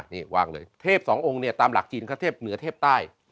นี่วางเลยเทพสององค์เนี่ยตามหลักจีนเขาเทพเหนือเทพใต้